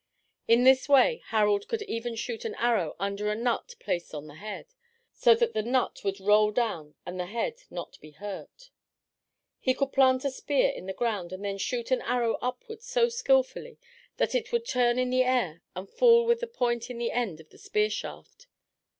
In this way Harald could even shoot an arrow under a nut placed on the head, so that the nut would roll down and the head not be hurt. He could plant a spear in the ground and then shoot an arrow upward so skilfully that it would turn in the air and fall with the point in the end of the spear shaft.